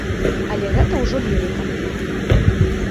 Але гэта ўжо лірыка.